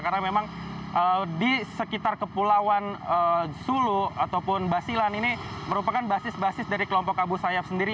karena memang di sekitar kepulauan zulu ataupun basilan ini merupakan basis basis dari kelompok abu sayyaf sendiri